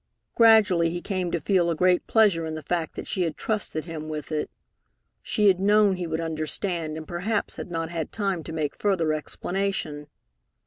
Gradually he came to feel a great pleasure in the fact that she had trusted him with it. She had known he would understand, and perhaps had not had time to make further explanation.